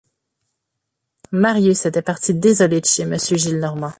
Marius était parti désolé de chez Monsieur Gillenormand.